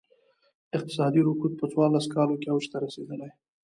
اقتصادي رکود په څوارلس کالو کې اوج ته رسېدلی.